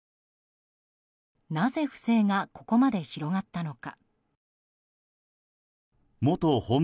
なぜ、不正がここまで広がったのか。